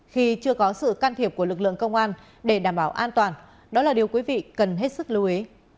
khi chưa có sự can thiệp của lực lượng công an để đảm bảo an toàn đó là điều quý vị cần hết sức lưu ý